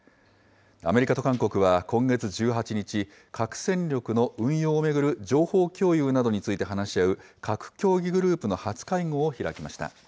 アメリカと韓国は今月１８日、核戦力の運用を巡る情報共有などについて話し合う核協議グループの初会合を開きました。